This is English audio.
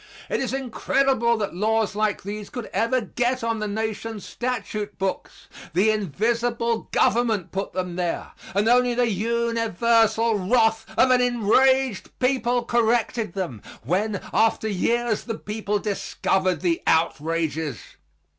It is incredible that laws like these could ever get on the Nation's statute books. The invisible government put them there; and only the universal wrath of an enraged people corrected them when, after years, the people discovered the outrages.